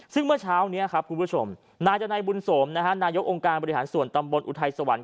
ซึ่งเมื่อเช้านี้ครับคุณผู้ชมนายดนัยบุญสมนายกองค์การบริหารส่วนตำบลอุทัยสวรรค